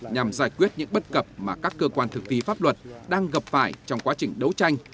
nhằm giải quyết những bất cập mà các cơ quan thực thi pháp luật đang gặp phải trong quá trình đấu tranh